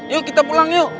yuk kita pulang yuk